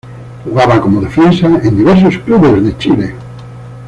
Jugaba como defensa en diversos clubes de Chile.